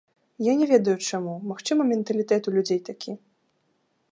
Я не ведаю, чаму, магчыма, менталітэт у людзей такі.